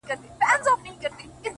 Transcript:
زما د تصور لاس گراني ستا پر ځــنگانـه ـ